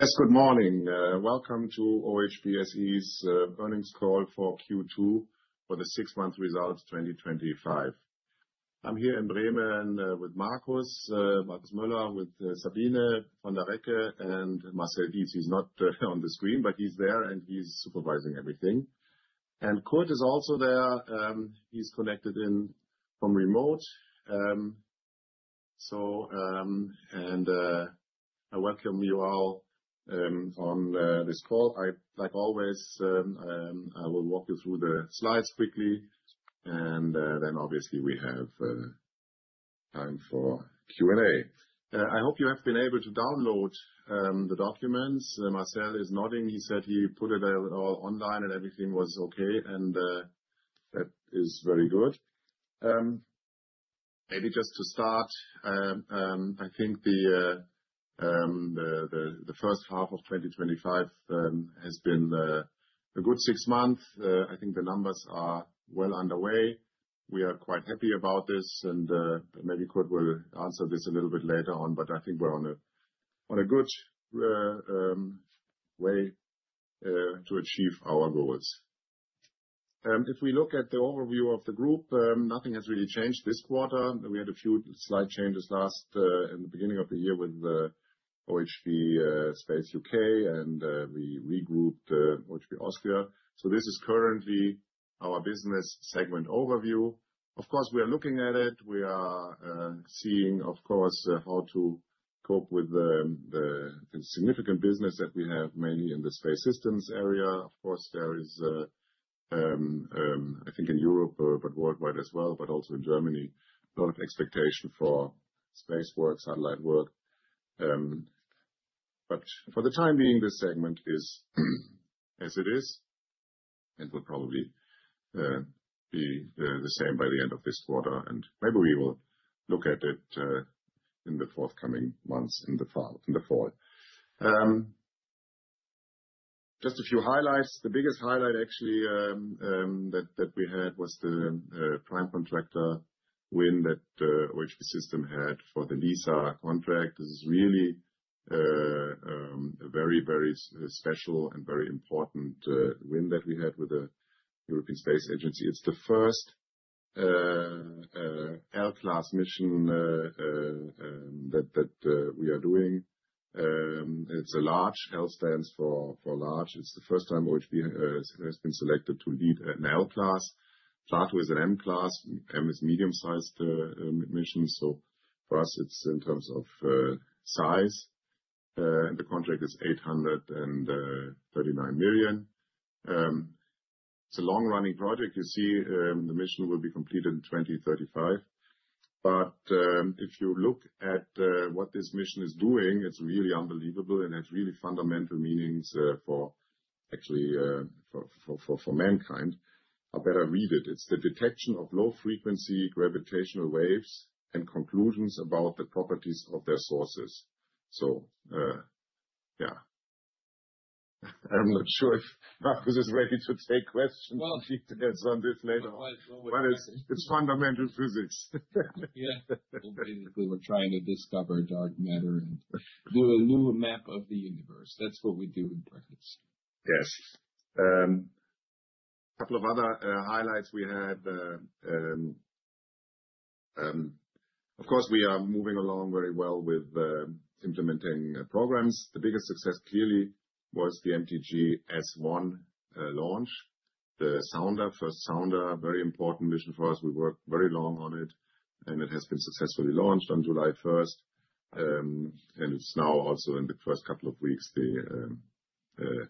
Yes, good morning. Welcome to OHB SE's earnings call for Q2 for the six-month results, 2025. I'm here in Bremen with Markus Moeller, with Sabine von der Recke, and Marcel, he's not on the screen, but he's there, and he's supervising everything. Kurt is also there, he's connected in from remote. So, I welcome you all on this call. I, like always, will walk you through the slides quickly, and then obviously we have time for Q&A. I hope you have been able to download the documents. Marcel is nodding. He said he put it all online and everything was okay, and that is very good. Maybe just to start, I think the first half of 2025 has been a good six months. I think the numbers are well underway. We are quite happy about this and maybe Kurt will answer this a little bit later on, but I think we're on a good way to achieve our goals. If we look at the overview of the group, nothing has really changed this quarter. We had a few slight changes last in the beginning of the year with OHB Space UK, and we regrouped OHB Austria. So this is currently our business segment overview. Of course, we are looking at it. We are seeing, of course, how to cope with the significant business that we have, mainly in the space systems area. Of course, there is, I think in Europe, but worldwide as well, but also in Germany, a lot of expectation for space work, satellite work. But for the time being, this segment is as it is, and will probably be the same by the end of this quarter, and maybe we will look at it in the forthcoming months in the fall, in the fall. Just a few highlights. The biggest highlight, actually, that we had was the prime contractor win that OHB System had for the LISA contract. This is really a very, very special and very important win that we had with the European Space Agency. It's the first L-class mission that we are doing. It's a large. L stands for large. It's the first time OHB has been selected to lead an L-class but with an M-class. M is medium-sized mission, so for us, it's in terms of size and the contract is 839 million. It's a long-running project. You see, the mission will be completed in 2035. But if you look at what this mission is doing, it's really unbelievable, and it's really fundamental meanings for actually for mankind. I better read it. It's the detection of low-frequency gravitational waves and conclusions about the properties of their sources. So yeah. I'm not sure if Markus is ready to take questions on this later, but it's fundamental physics. Yeah. Basically, we're trying to discover dark matter and do a new map of the universe. That's what we do in practice. Yes. Couple of other highlights we had, of course, we are moving along very well with implementing programs. The biggest success, clearly, was the MTG-S1 launch. The sounder, first sounder, very important mission for us. We worked very long on it, and it has been successfully launched on July 1. And it's now also in the first couple of weeks, the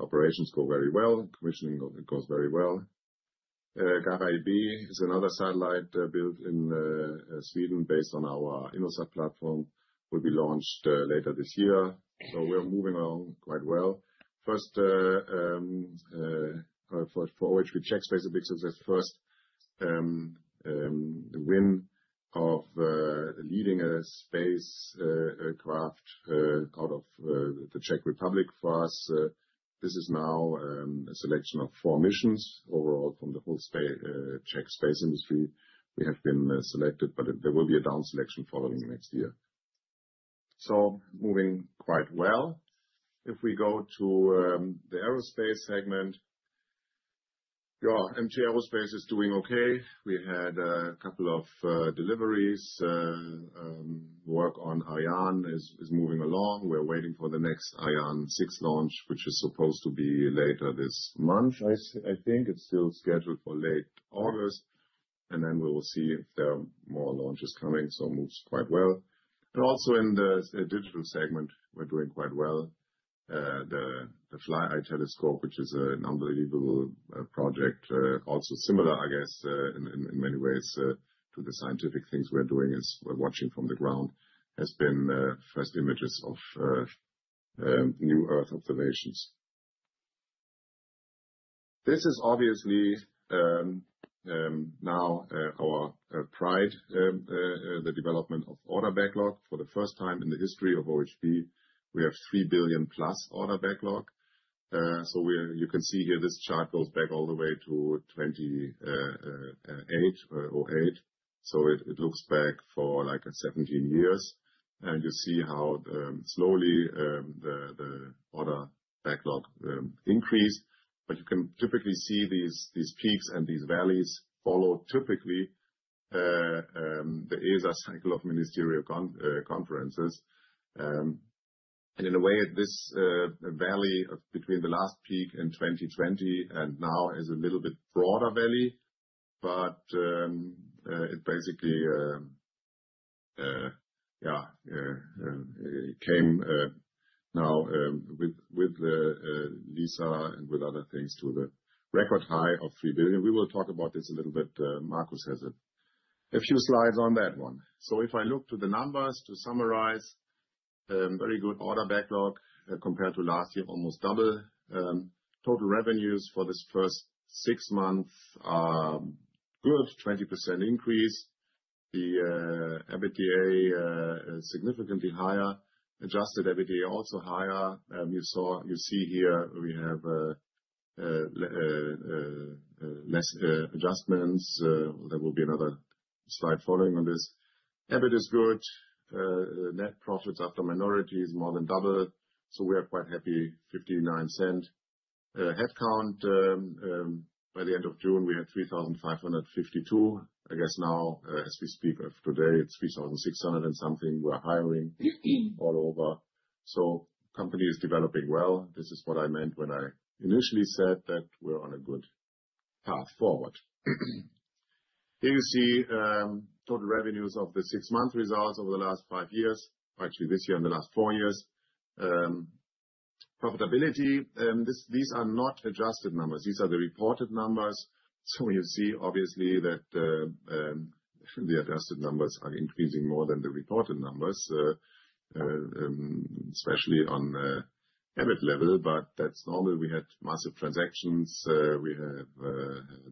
operations go very well, commissioning goes very well. GARI-B is another satellite, built in Sweden, based on our InnoSat platform, will be launched later this year. So we are moving along quite well. First, for which we Czech space, a big success first. The win of leading a spacecraft out of the Czech Republic for us, this is now a selection of four missions overall from the whole Czech space industry. We have been selected, but there will be a down selection following next year. So moving quite well. If we go to the aerospace segment, yeah, MT Aerospace is doing okay. We had a couple of deliveries. Work on ION is moving along. We're waiting for the next ION six launch, which is supposed to be later this month. I think it's still scheduled for late August, and then we will see if there are more launches coming, so moves quite well. And also in the digital segment, we're doing quite well. The FlyEye telescope, which is an unbelievable project, also similar, I guess, in many ways to the scientific things we're doing—is we're watching from the ground—has been first images of new Earth observations. This is obviously now our pride, the development of order backlog. For the first time in the history of OHB, we have 3 billion-plus order backlog. So you can see here, this chart goes back all the way to 2008. So it looks back for like 17 years, and you see how slowly the order backlog increased. But you can typically see these peaks and these valleys follow typically. There is a cycle of ministerial conferences. And in a way, this valley between the last peak in 2020 and now is a little bit broader valley, but it basically... Yeah, it came now with the LISA and with other things, to the record high of 3 billion. We will talk about this a little bit. Markus has a few slides on that one. So if I look to the numbers, to summarize, very good order backlog compared to last year, almost double. Total revenues for this first six months are good, 20% increase. The EBITDA is significantly higher. Adjusted EBITDA, also higher. You see here, we have less adjustments. There will be another slide following on this. EBIT is good. Net profits after minority is more than double, so we are quite happy, 0.59. Headcount, by the end of June, we had 3,552. I guess now, as we speak of today, it's 3,600-something. We are hiring- Fifteen. All over, so company is developing well. This is what I meant when I initially said that we're on a good path forward. Here you see, total revenues of the six-month results over the last five years. Actually, this year and the last four years. Profitability, these are not adjusted numbers. These are the reported numbers. So you see, obviously, that the adjusted numbers are increasing more than the reported numbers, especially on EBIT level, but that's normal. We had massive transactions. We have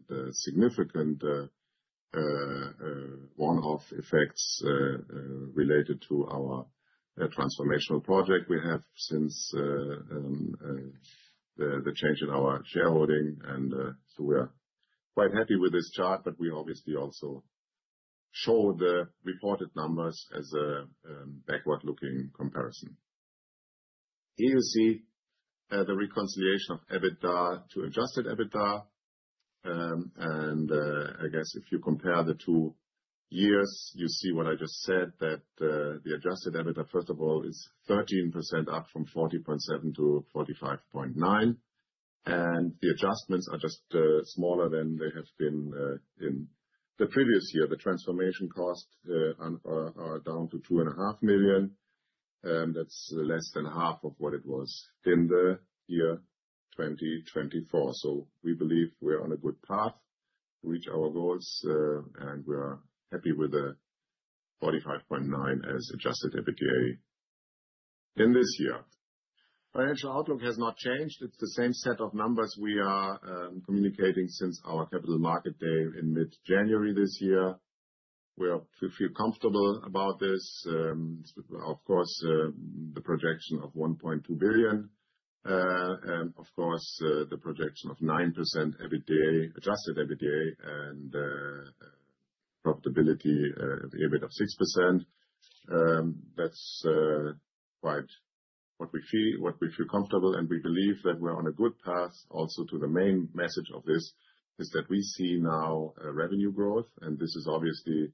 the significant one-off effects related to our transformational project we have since the change in our shareholding, and so we are quite happy with this chart, but we obviously also show the reported numbers as a backward-looking comparison. Here you see the reconciliation of EBITDA to adjusted EBITDA, and I guess if you compare the two years, you see what I just said, that the adjusted EBITDA, first of all, is 13% up from 40.7 million to 45.9 million, and the adjustments are just smaller than they have been in the previous year. The transformation costs are down to 2.5 million, and that's less than half of what it was in the year 2024. So we believe we are on a good path to reach our goals, and we are happy with the 45.9 million as adjusted EBITDA in this year. Financial outlook has not changed. It's the same set of numbers we are communicating since our capital market day in mid-January this year. We feel comfortable about this. Of course, the projection of 1.2 billion, and of course, the projection of 9% EBITDA, adjusted EBITDA, and profitability, EBIT of 6%. That's quite what we feel, what we feel comfortable, and we believe that we're on a good path. Also, to the main message of this, is that we see now a revenue growth, and this is obviously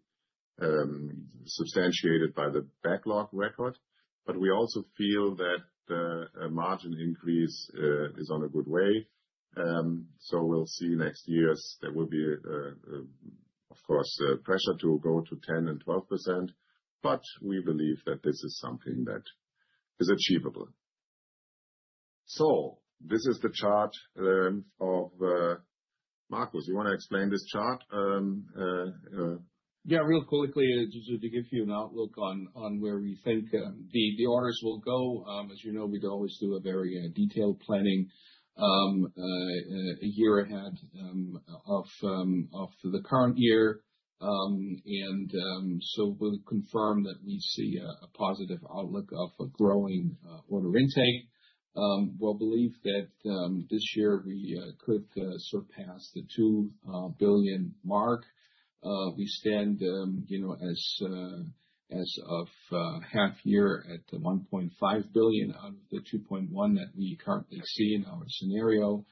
substantiated by the backlog record, but we also feel that a margin increase is on a good way. So we'll see next year's. There will be, of course, a pressure to go to 10% and 12%, but we believe that this is something that is achievable. So this is the chart of... Markus, you want to explain this chart? Yeah, real quickly, just to give you an outlook on where we think the orders will go. As you know, we always do a very detailed planning a year ahead of the current year. And so we'll confirm that we see a positive outlook of a growing order intake. We believe that this year we could surpass the 2 billion mark. You know, as of half year at the 1.5 billion out of the 2.1 that we currently see in our scenario.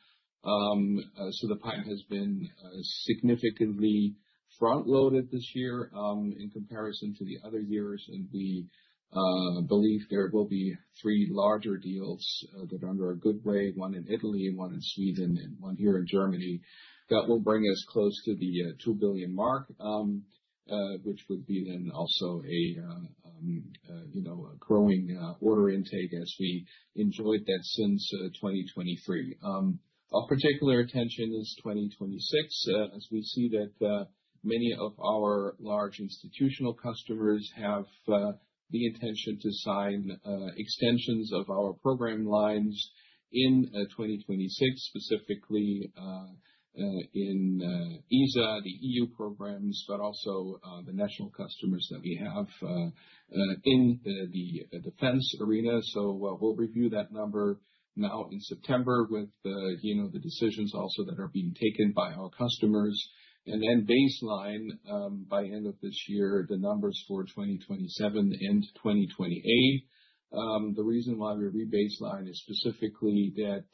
So the pipe has been significantly front-loaded this year, in comparison to the other years, and we believe there will be three larger deals that are under a good way, one in Italy, one in Sweden, and one here in Germany, that will bring us close to the 2 billion mark, which would be then also a, you know, a growing order intake as we enjoyed that since 2023. Our particular attention is 2026, as we see that many of our large institutional customers have the intention to sign extensions of our program lines in 2026, specifically in ESA, the EU programs, but also the national customers that we have in the defense arena. So we'll review that number now in September with the, you know, the decisions also that are being taken by our customers. And then baseline by end of this year, the numbers for 2027 and 2028. The reason why we rebaseline is specifically that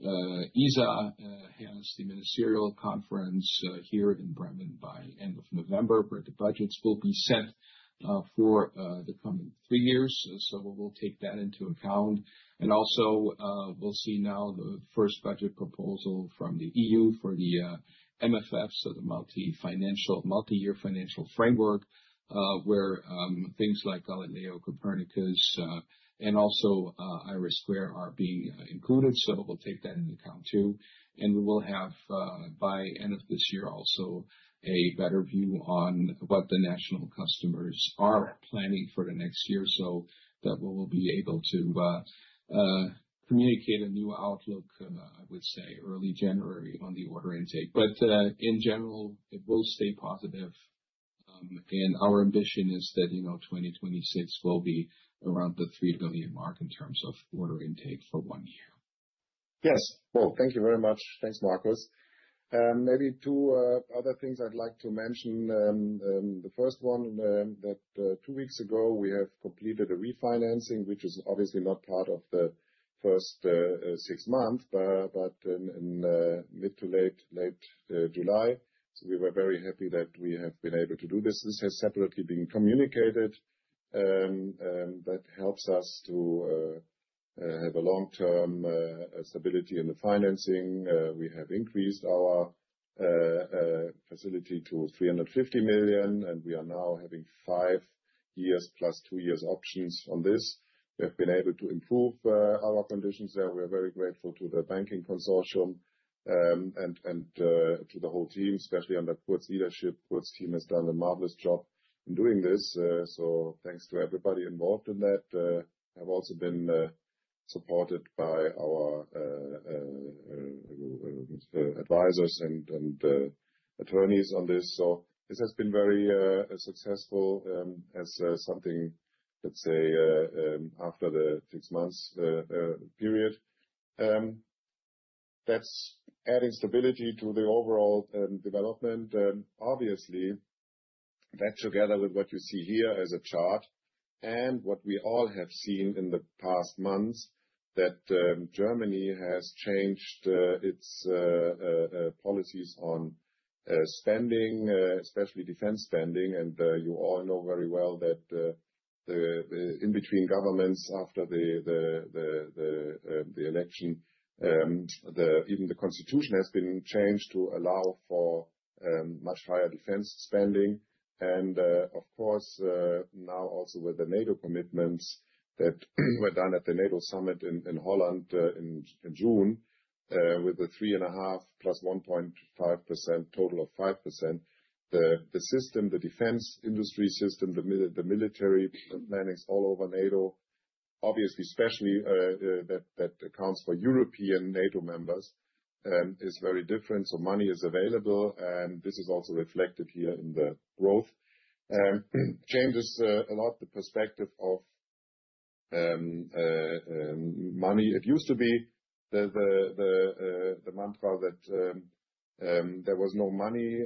ESA has the Ministerial Conference here in Bremen by end of November, where the budgets will be set for the coming three years. So we'll take that into account, and also, we'll see now the first budget proposal from the EU for the MFF, so the Multi-Year Financial Framework, where things like Galileo, Copernicus, and also IRIS² are being included. So we'll take that into account, too. And we will have, by end of this year, also a better view on what the national customers are planning for the next year, so that we will be able to, communicate a new outlook, I would say, early January on the order intake. But, in general, it will stay positive, and our ambition is that, you know, 2026 will be around the 3 billion mark in terms of order intake for one year. Yes. Well, thank you very much. Thanks, Markus. Maybe two other things I'd like to mention. The first one, that two weeks ago, we have completed a refinancing, which is obviously not part of the first six months, but in mid to late July. So we were very happy that we have been able to do this. This has separately been communicated, that helps us to have a long-term stability in the financing. We have increased our facility to 350 million, and we are now having five years, plus two years options on this. We have been able to improve our conditions there. We are very grateful to the banking consortium, and to the whole team, especially under Kurt's leadership. Kurt's team has done a marvelous job in doing this, so thanks to everybody involved in that. Have also been supported by our advisors and attorneys on this. So this has been very successful, as something, let's say, after the six months period. That's adding stability to the overall development. Obviously, that together with what you see here as a chart, and what we all have seen in the past months, that Germany has changed its policies on spending, especially defense spending. And you all know very well that the in-between governments, after the election, even the Constitution has been changed to allow for much higher defense spending. Of course, now also with the NATO commitments that were done at the NATO summit in Holland in June with the 3.5% + 1.5%, total of 5%. The defense industry system, the military plannings all over NATO, obviously, especially that accounts for European NATO members, is very different. So money is available, and this is also reflected here in the growth. Changes a lot the perspective of money. It used to be the mantra that there was no money,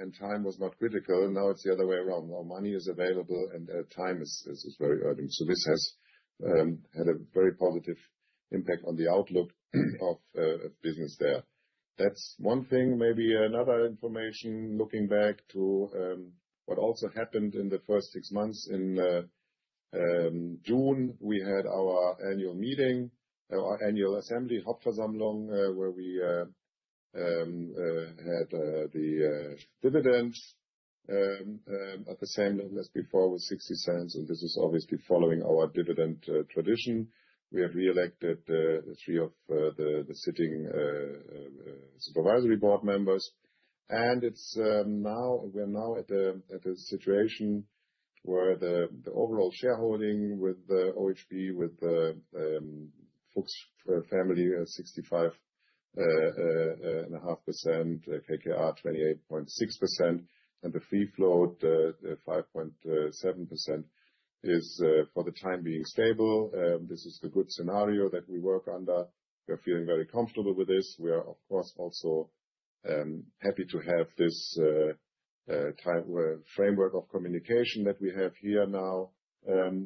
and time was not critical. Now it's the other way around. Now money is available, and time is very urgent. So this has had a very positive impact on the outlook of business there. That's one thing. Maybe another information, looking back to what also happened in the first six months. In June, we had our annual meeting, our annual assembly, Hauptversammlung, where we had the dividends at the same level as before, with 0.60, and this is obviously following our dividend tradition. We had reelected the three of the the sitting supervisory board members. And it's now we are now at a situation where the overall shareholding with the OHB, with the Fuchs family at 65.5%, KKR 28.6%, and the free float five point seven percent, is for the time being stable. This is the good scenario that we work under. We are feeling very comfortable with this. We are, of course, also happy to have this type framework of communication that we have here now,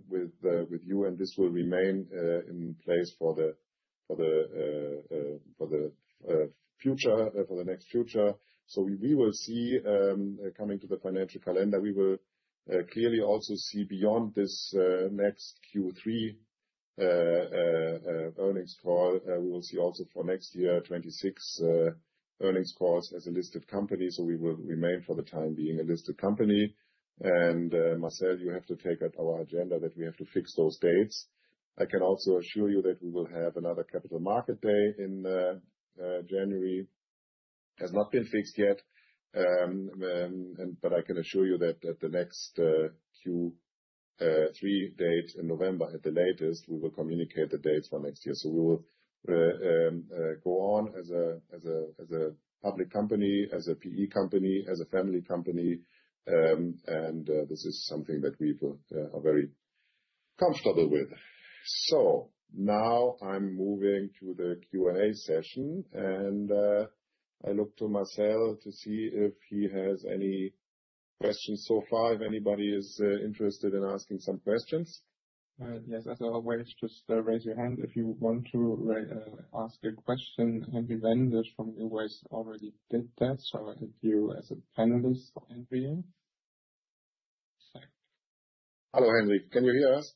with you, and this will remain in place for the future, for the next future. So we will see, coming to the financial calendar, we will clearly also see beyond this next Q3 earnings call. We will see also for next year, 2026, earnings calls as a listed company, so we will remain, for the time being, a listed company. And Marcel, you have to take up our agenda that we have to fix those dates. I can also assure you that we will have another capital market day in January. It has not been fixed yet. But I can assure you that at the next Q3 date in November, at the latest, we will communicate the dates for next year. So we will go on as a public company, as a PE company, as a family company, and this is something that we are very comfortable with. So now I'm moving to the Q&A session, and I look to Marcel to see if he has any questions so far, if anybody is interested in asking some questions. Yes, as always, just raise your hand if you want to ask a question. Henry Wendisch from NuWays already did that, so I hit you as a panelist, Henry. Hello, Henry, can you hear us?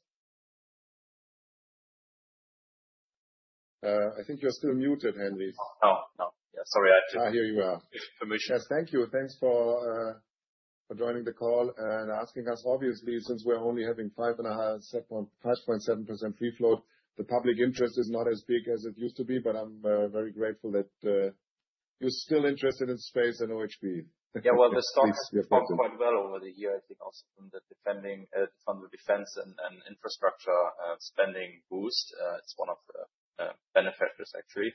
I think you're still muted, Henry. Oh, no. Yes, sorry, I took- Ah, here you are. Permission. Thank you. Thanks for joining the call and asking us. Obviously, since we're only having 5.5, 5.7% free float, the public interest is not as big as it used to be, but I'm very grateful that you're still interested in space and OHB. Yeah, well, the stock has done quite well over the years, I think also from the funding, from the defense and infrastructure spending boost. It's one of the beneficiaries, actually.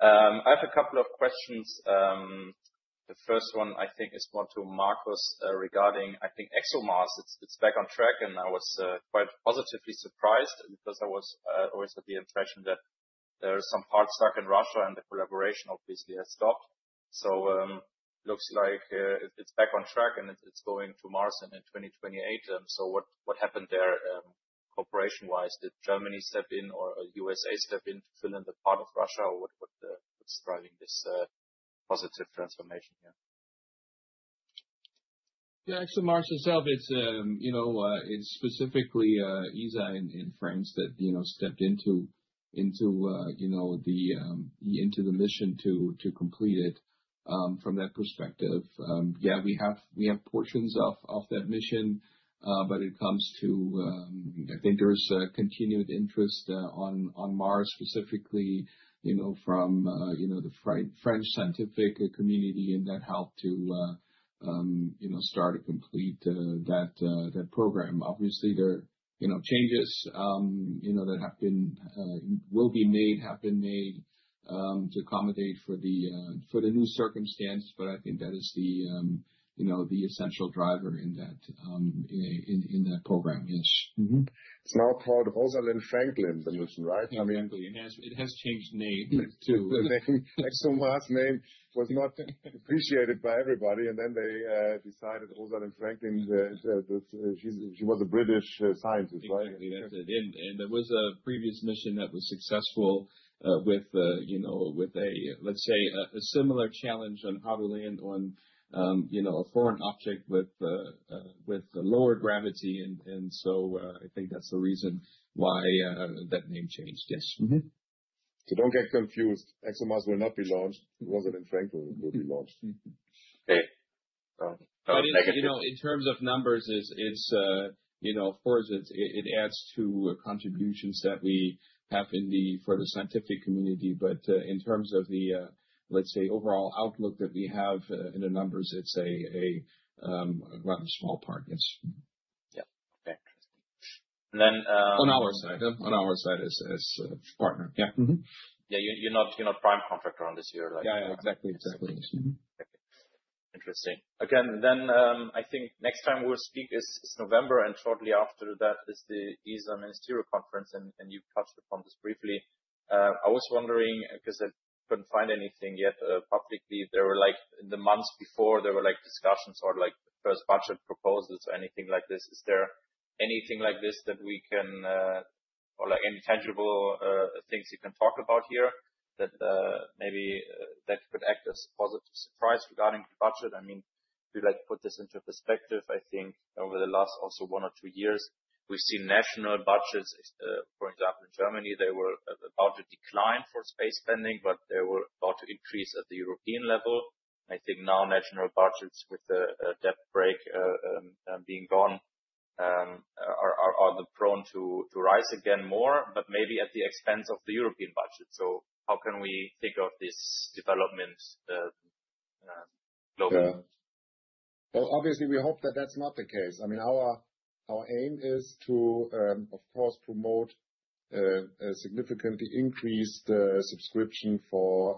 I have a couple of questions. The first one, I think, is more to Markus, regarding, I think, ExoMars. It's back on track, and I was quite positively surprised because I was always of the impression that there are some parts stuck in Russia, and the collaboration obviously has stopped. So, looks like it's back on track, and it's going to Mars in 2028. So what happened there, cooperation-wise? Did Germany step in or USA step in to fill in the part of Russia, or what, what's driving this positive transformation here? Yeah, so ExoMars itself, it's, you know, it's specifically ESA in, in France that, you know, stepped into, you know, into the mission to complete it, from that perspective. Yeah, we have portions of that mission, but it comes to... I think there's a continued interest on Mars, specifically, you know, from, you know, the French scientific community, and that helped to, you know, start to complete that program. Obviously, there are, you know, changes, you know, that have been, will be made, to accommodate for the new circumstance, but I think that is the, you know, the essential driver in that program. Yes. Mm-hmm. It's now called Rosalind Franklin, the mission, right? I mean- Franklin, yes. It has changed name too. ExoMars name was not appreciated by everybody, and then they decided Rosalind Franklin, she was a British scientist, right? Exactly, that's it. And there was a previous mission that was successful, with you know, with a, let's say, a similar challenge on how to land on, you know, a foreign object with lower gravity. And so, I think that's the reason why that name changed. Yes. Mm-hmm. Don't get confused. ExoMars will not be launched. Rosalind Franklin will be launched. Okay. Um- You know, in terms of numbers, it's, you know, of course, it adds to contributions that we have in the for the scientific community, but in terms of the let's say, overall outlook that we have in the numbers, it's a rather small part, yes. Yeah. Okay. And then, On our side as a partner. Yeah. Mm-hmm. Yeah, you're not, you're not prime contractor on this. You're like- Yeah, exactly. Exactly. Mm-hmm. Interesting. Again, then, I think next time we'll speak is November, and shortly after that is the ESA Ministerial Conference, and you touched upon this briefly. I was wondering, because I couldn't find anything yet publicly, there were like, in the months before, there were like discussions or like first budget proposals or anything like this. Is there anything like this that we can or like any tangible things you can talk about here that maybe could act as a positive surprise regarding the budget? I mean, we like to put this into perspective. I think over the last also one or two years, we've seen national budgets, for example, in Germany, they were about to decline for space spending, but they were about to increase at the European level. I think now national budgets with the debt brake being gone are prone to rise again more, but maybe at the expense of the European budget. So how can we think of this development globally? Well, obviously, we hope that that's not the case. I mean, our aim is to of course promote a significantly increased subscription for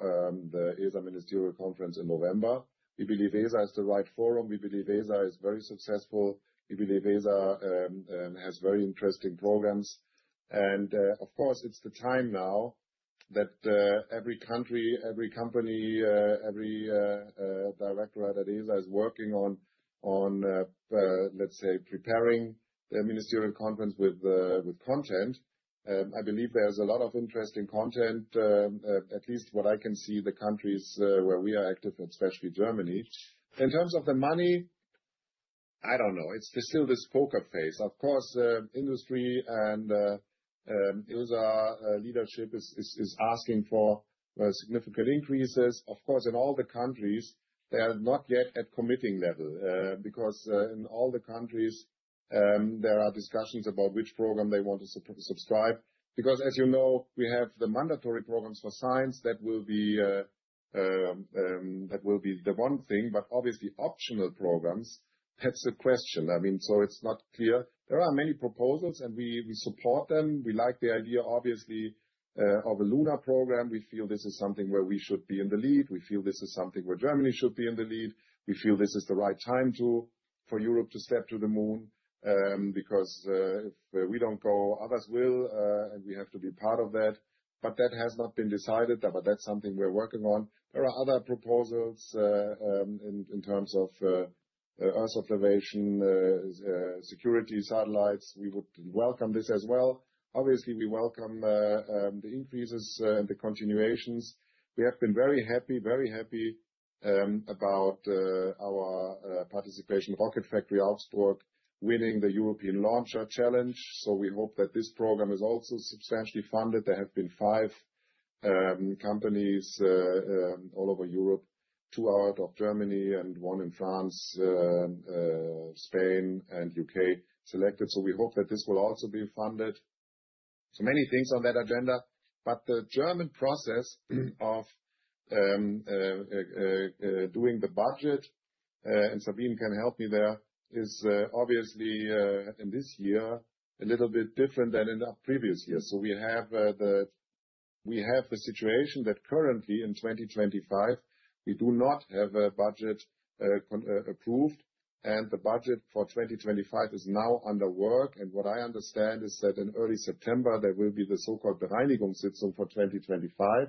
the ESA Ministerial Conference in November. We believe ESA is the right forum. We believe ESA is very successful. We believe ESA has very interesting programs. And of course, it's the time now that every country, every company, every directorate at ESA is working on let's say preparing the Ministerial Conference with content. I believe there's a lot of interesting content at least what I can see, the countries where we are active, especially Germany. In terms of the money, I don't know. It's still this poker face. Of course, the industry and ESA leadership is asking for significant increases. Of course, in all the countries, they are not yet at committing level, because in all the countries, there are discussions about which program they want to subscribe. Because, as you know, we have the mandatory programs for science that will be the one thing, but obviously, optional programs, that's the question. I mean, so it's not clear. There are many proposals, and we support them. We like the idea, obviously, of a lunar program. We feel this is something where we should be in the lead. We feel this is something where Germany should be in the lead. We feel this is the right time for Europe to step to the moon, because if we don't go, others will, and we have to be part of that. But that has not been decided, but that's something we're working on. There are other proposals in terms of Earth observation security satellites. We would welcome this as well. Obviously, we welcome the increases and the continuations. We have been very happy, very happy about our participation Rocket Factory Augsburg winning the European Launcher Challenge. So we hope that this program is also substantially funded. There have been five companies all over Europe, two out of Germany and one in France, Spain and UK selected. So we hope that this will also be funded. So many things on that agenda, but the German process, doing the budget, and Sabine can help me there, is obviously in this year a little bit different than in the previous years. So we have we have a situation that currently in 2025, we do not have a budget approved, and the budget for 2025 is now under work. And what I understand is that in early September, there will be the so-called Bereinigungssitzung for 2025.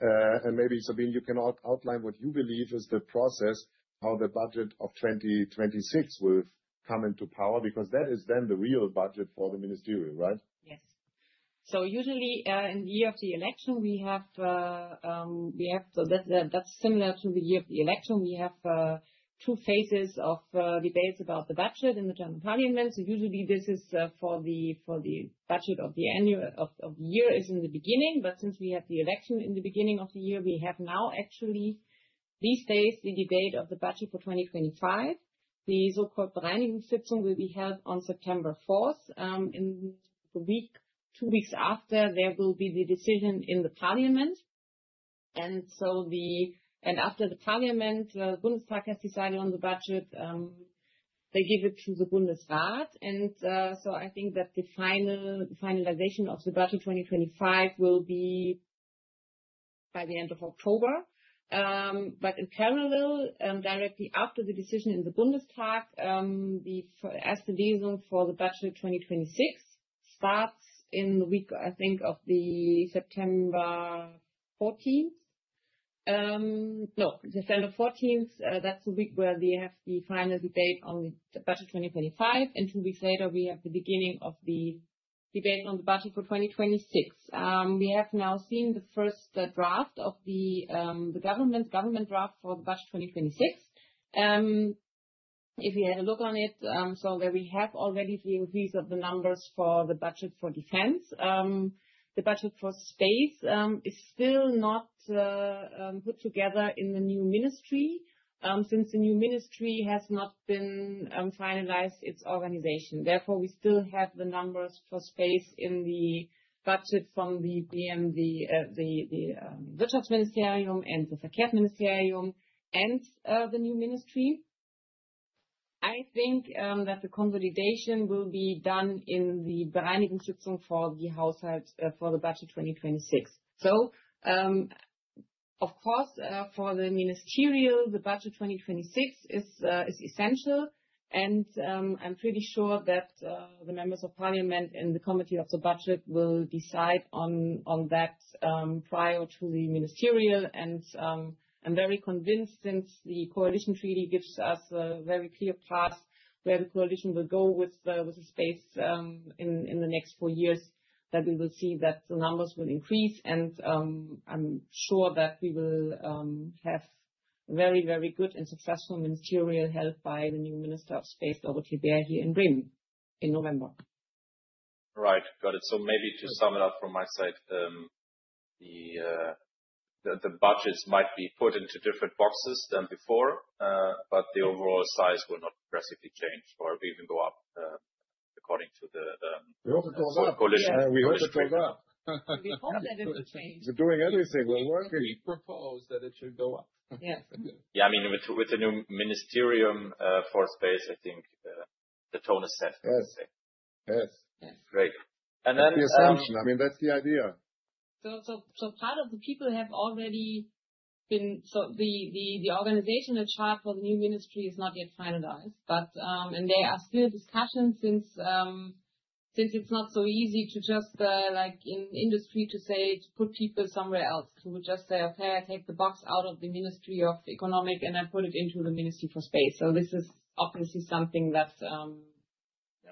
And maybe, Sabine, you can outline what you believe is the process, how the budget of 2026 will come into power, because that is then the real budget for the ministerial, right? Yes. So usually, in the year of the election, we have, so that, that's similar to the year of the election. We have two phases of debates about the budget in the German parliament. So usually, this is for the budget of the annual of the year is in the beginning, but since we have the election in the beginning of the year, we have now, actually, these days, the debate of the budget for 2025. The so-called Bereinigungssitzung will be held on September fourth in the week. Two weeks after, there will be the decision in the parliament. And so the... And after the parliament, Bundestag, has decided on the budget, they give it to the Bundesrat. So I think that the final finalization of the budget 2025 will be by the end of October. But in parallel, directly after the decision in the Bundestag, the reason for the budget 2026 starts in the week, I think, of September 14th. No, September 14th, that's the week where we have the final date on the budget 2025, and two weeks later, we have the beginning of the debate on the budget for 2026. We have now seen the first draft of the government government draft for the budget 2026. If you had a look on it, so where we have already the overview of the numbers for the budget for defense. The budget for space is still not put together in the new ministry, since the new ministry has not been finalized its organization. Therefore, we still have the numbers for space in the budget from the BMD, the Wirtschaftsministerium and the Verkehrsministerium, and the new ministry. I think that the consolidation will be done in the Bereinigungssitzung for the household for the budget 2026. So, of course, for the ministerial, the budget 2026 is essential, and I'm pretty sure that the members of parliament and the committee of the budget will decide on that prior to the ministerial. I'm very convinced, since the coalition treaty gives us a very clear path, where the coalition will go with the space in the next four years, that we will see that the numbers will increase, and I'm sure that we will have very, very good and successful ministerial help by the new Minister of Space, Robert Habeck, here in Berlin in November. Right. Got it. So maybe to sum it up from my side, the budgets might be put into different boxes than before, but the overall size will not drastically change or even go up, according to the, the- We hope it goes up. Coalition. We hope it goes up. We hope that it will change. We're doing everything. We're working. We propose that it should go up. Yes. Yeah, I mean, with the new ministry for space, I think, the tone is set. Yes. Yes. Yes. Great. And then, That's the assumption. I mean, that's the idea. So part of the people have already been... So the organizational chart for the new ministry is not yet finalized, but and there are still discussions since, since it's not so easy to just, like in industry, to say, to put people somewhere else. To just say, "Okay, I take the box out of the Ministry of Economic, and I put it into the Ministry for Space." So this is obviously something that's- Yeah.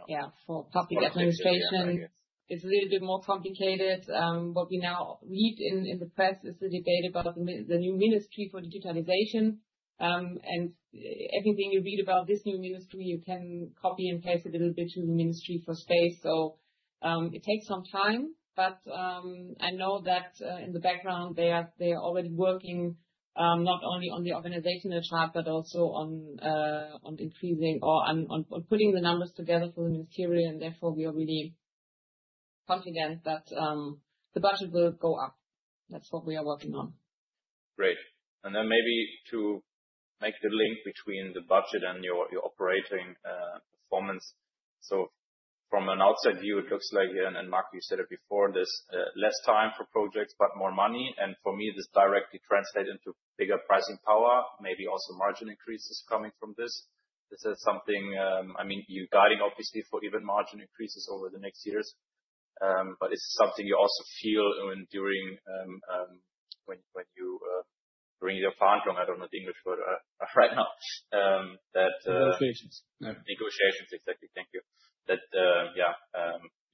Yeah, for public administration, it's a little bit more complicated. What we now read in the press is the debate about the new ministry for digitalization. And everything you read about this new ministry, you can copy and paste a little bit to the ministry for space. So, it takes some time, but I know that in the background, they are, they are already working, not only on the organizational chart, but also on increasing or on putting the numbers together for the ministerial, and therefore, we are really-... confident that, the budget will go up. That's what we are working on. Great. Then maybe to make the link between the budget and your operating performance. So from an outside view, it looks like, Mark, you said it before, there's less time for projects, but more money. And for me, this directly translate into bigger pricing power, maybe also margin increases coming from this. This is something, I mean, you're guiding obviously for even margin increases over the next years, but it's something you also feel when during when you bring your fund from, I don't know the English word right now, that- Negotiations. Negotiations. Exactly. Thank you. That, yeah,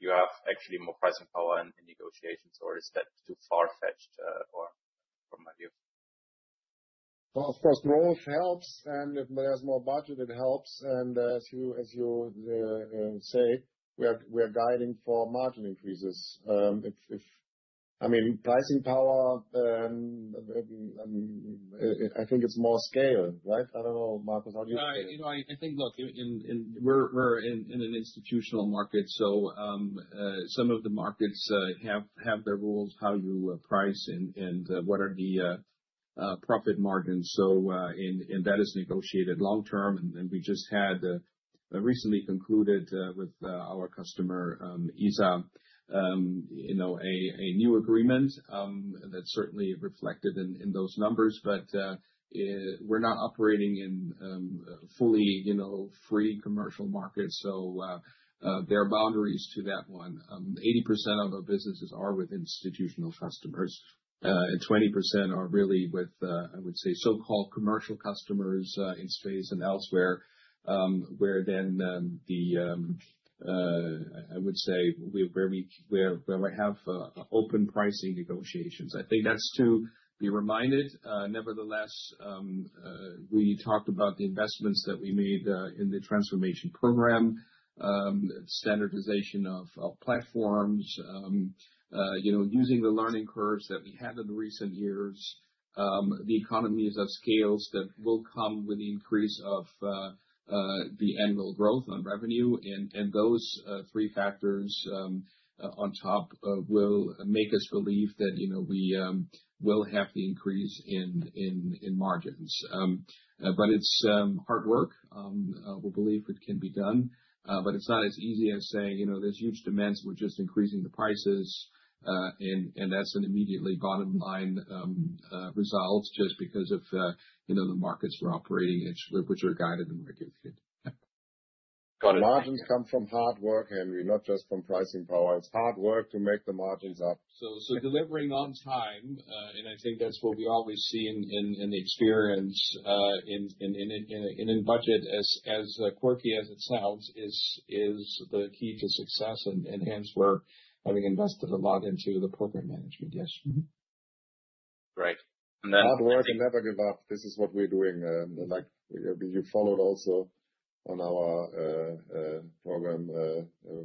you have actually more pricing power in, in negotiations, or is that too far-fetched, or from my view? Well, of course, more helps, and if there's more budget, it helps, and as you say, we are guiding for margin increases. I mean, pricing power, maybe, I mean, I think it's more scale, right? I don't know, Markus, how do you feel? You know, I think, look, we're in an institutional market, so some of the markets have their rules, how you price and what are the profit margins. So, and that is negotiated long term, and we just had a recently concluded with our customer, ISAR, you know, a new agreement, that's certainly reflected in those numbers, but, we're not operating in fully, you know, free commercial markets, so, there are boundaries to that one. 80% of our businesses are with institutional customers, and 20% are really with, I would say, so-called commercial customers, in space and elsewhere, where we have open pricing negotiations. I think that's to be reminded. Nevertheless, we talked about the investments that we made, in the transformation program, standardization of platforms, you know, using the learning curves that we had in the recent years, the economies of scales that will come with the increase of the annual growth on revenue, and those three factors, on top, will make us believe that, you know, we will have the increase in margins. But it's hard work. We believe it can be done, but it's not as easy as saying, you know, there's huge demands, we're just increasing the prices, and that's an immediately bottom line results just because of, you know, the markets we're operating in, which are guided in the market. Got it. Margins come from hard work, Henry, not just from pricing power. It's hard work to make the margins up. So, delivering on time, and I think that's what we always see in the experience, in budget, as quirky as it sounds, is the key to success, and hence we're having invested a lot into the program management. Yes. Mm-hmm. Great. And then- Hard work and never give up. This is what we're doing, like, you followed also on our program,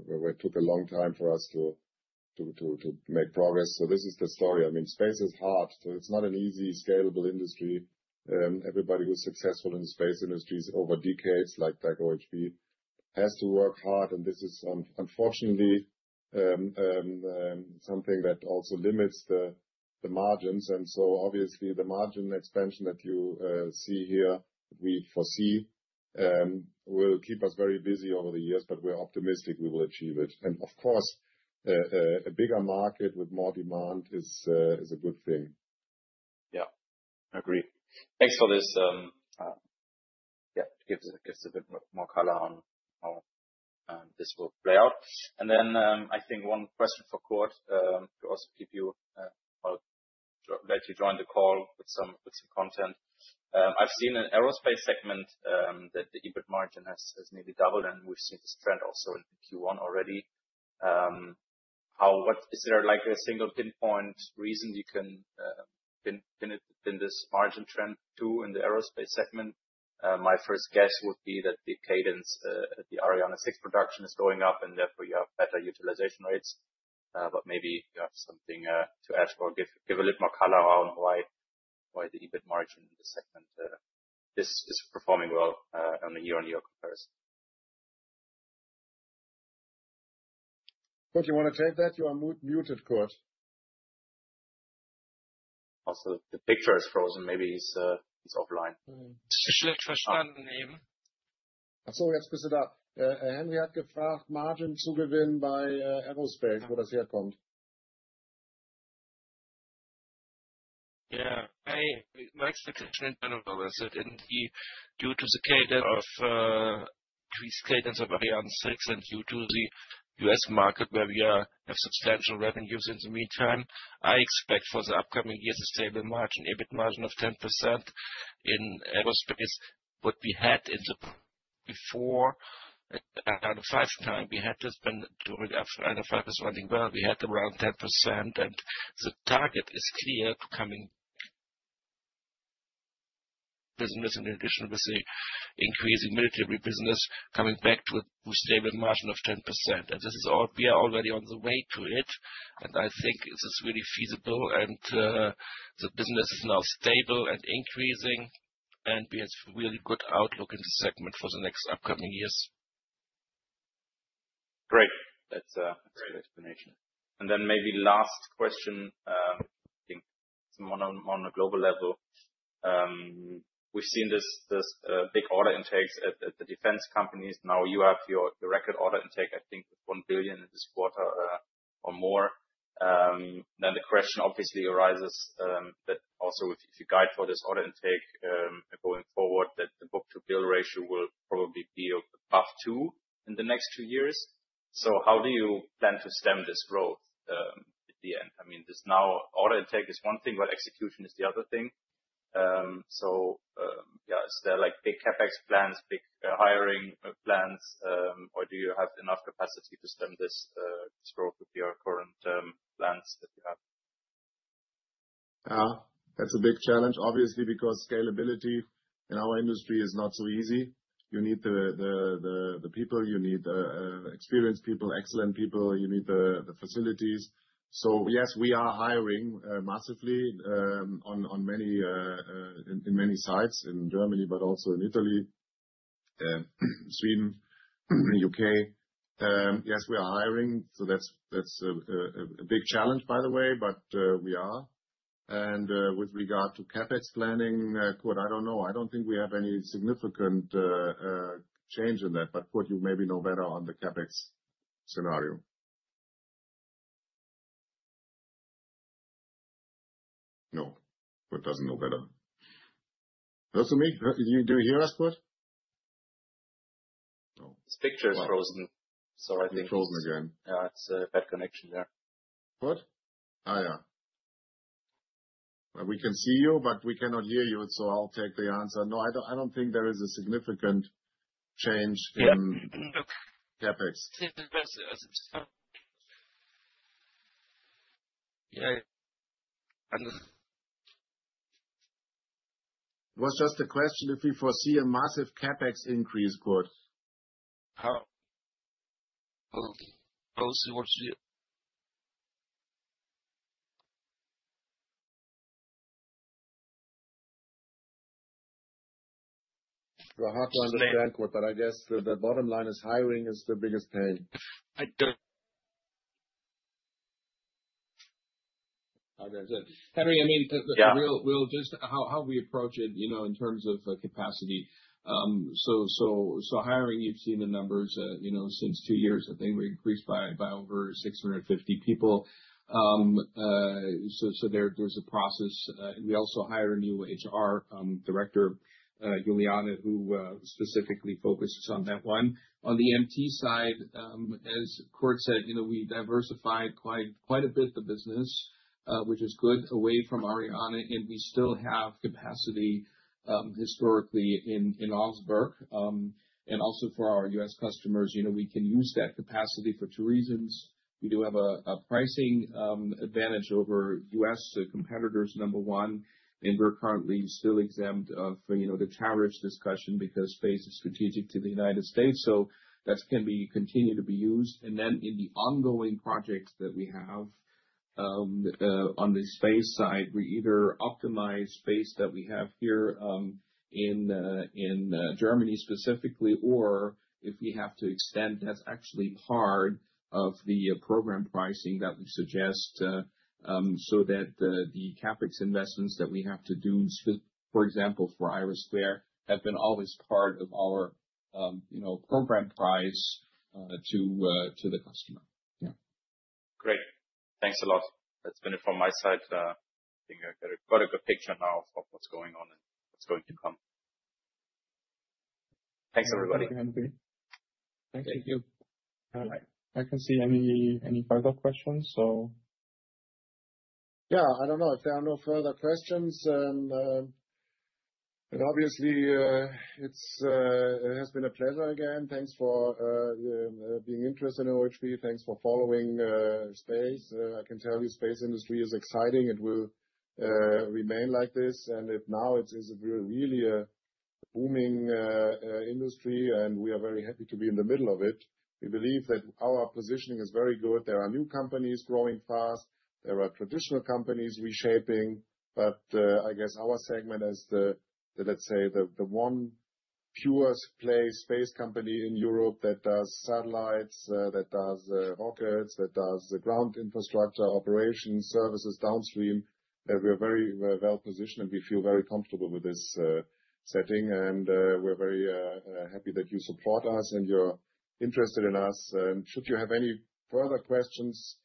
where it took a long time for us to make progress. So this is the story. I mean, space is hard. So it's not an easy, scalable industry. Everybody who's successful in the space industry is over decades, like OHB, has to work hard, and this is, unfortunately, something that also limits the margins. And so obviously, the margin expansion that you see here, we foresee, will keep us very busy over the years, but we're optimistic we will achieve it. And of course, a bigger market with more demand is a good thing. Yeah. Agree. Thanks for this, yeah, gives us, gives us a bit more color on how this will play out. And then, I think one question for Kurt, to also give you, well, let you join the call with some, with some content. I've seen an aerospace segment that the EBIT margin has, has nearly doubled, and we've seen this trend also in Q1 already. How... what— Is there, like, a single pinpoint reason you can pin, pin it, pin this margin trend to in the aerospace segment? My first guess would be that the cadence at the Ariane 6 production is going up, and therefore you have better utilization rates, but maybe you have something to add or give, give a little more color on why, why the EBIT margin in this segment is, is performing well on a year-on-year comparison. Kurt, you want to take that? You are muted, Kurt. Also, the picture is frozen. Maybe he's, he's offline. Yeah. My expectation in general is that in the... due to the cadence of pre-cadence of Ariane 6, and due to the U.S. market, where we are, have substantial revenues in the meantime, I expect for the upcoming years, a stable margin, EBIT margin of 10% in aerospace is what we had in the before, out of five times, we had to spend during the five was running well, we had around 10%, and the target is clear coming business, in addition, with the increasing military business, coming back to a stable margin of 10%. This is all we are already on the way to it, and I think this is really feasible, and the business is now stable and increasing.... and we have really good outlook in the segment for the next upcoming years. Great. That's a great explanation. And then maybe last question, I think it's more on a global level. We've seen this big order intakes at the defense companies. Now you have your record order intake, I think 1 billion in this quarter, or more. Then the question obviously arises, that also with the guide for this order intake, going forward, that the book-to-bill ratio will probably be above 2 in the next two years. So how do you plan to stem this growth at the end? I mean, this order intake is one thing, but execution is the other thing. So, yeah, is there like big CapEx plans, big hiring plans? Or do you have enough capacity to stem this growth with your current plans that you have? That's a big challenge, obviously, because scalability in our industry is not so easy. You need the people, you need experienced people, excellent people. You need the facilities. So yes, we are hiring massively in many sites in Germany, but also in Italy, Sweden, U.K. Yes, we are hiring, so that's a big challenge, by the way, but we are. With regard to CapEx planning, Kurt, I don't know. I don't think we have any significant change in that, but Kurt, you maybe know better on the CapEx scenario. No, Kurt doesn't know better. Listen me, do you hear us, Kurt? No. His picture is frozen. Sorry. He's frozen again. Yeah, it's a bad connection there. Kurt? Oh, yeah. We can see you, but we cannot hear you, so I'll take the answer. No, I don't, I don't think there is a significant change in- Yeah. -CapEx. Yeah, I don't... It was just a question, if you foresee a massive CapEx increase, Kurt? How, I will see what you- It's hard to understand, Kurt, but I guess the bottom line is hiring is the biggest pain. I don't- I guess. Henry, I mean- Yeah. To really, really just how we approach it, you know, in terms of capacity. So hiring, you've seen the numbers, you know, since two years. I think we increased by over 650 people. So there's a process. We also hire a new HR director, Juliana, who specifically focuses on that one. On the MT side, as Kurt said, you know, we diversified quite a bit, the business, which is good, away from Ariane, and we still have capacity historically in Augsburg. And also for our U.S. customers, you know, we can use that capacity for two reasons. We do have a pricing advantage over US competitors, number one, and we're currently still exempt of, you know, the tariffs discussion because space is strategic to the United States, so that can be continue to be used. And then in the ongoing projects that we have, on the space side, we either optimize space that we have here, in Germany specifically, or if we have to extend, that's actually part of the program pricing that we suggest, so that, the CapEx investments that we have to do, for example, for IRIS², have been always part of our, you know, program price, to the customer. Yeah. Great. Thanks a lot. That's been it from my side. I think I got quite a good picture now of what's going on and what's going to come. Thanks, everybody. Thank you, Henry. Thank you. All right. I can't see any further questions, so... Yeah, I don't know. If there are no further questions, then, but obviously, it's, it has been a pleasure again. Thanks for being interested in OHB. Thanks for following space. I can tell you, space industry is exciting. It will remain like this, and if now, it is really a booming industry, and we are very happy to be in the middle of it. We believe that our positioning is very good. There are new companies growing fast. There are traditional companies reshaping. But, I guess our segment is the, the, let's say, the, the one purest play space company in Europe that does satellites, that does rockets, that does the ground infrastructure, operations, services, downstream. We are very well-positioned, and we feel very comfortable with this setting. We're very happy that you support us and you're interested in us. Should you have any further questions,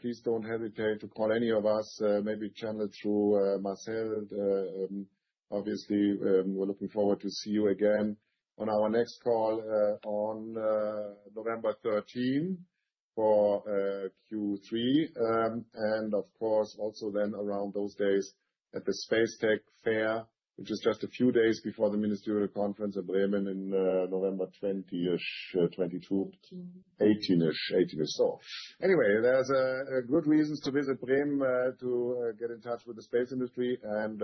please don't hesitate to call any of us, maybe channel through Marcel. Obviously, we're looking forward to see you again on our next call, on November 13th, for Q3. Of course, also then around those days at the Space Tech Fair, which is just a few days before the Ministerial Conference at Bremen in November 20-ish, 2022. Eighteen. 18-ish. 18 or so. Anyway, there's a good reasons to visit Bremen, to get in touch with the space industry, and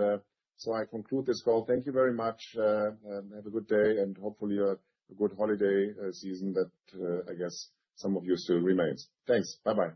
so I conclude this call. Thank you very much, and have a good day, and hopefully a good holiday season that I guess some of you still remains. Thanks. Bye-bye.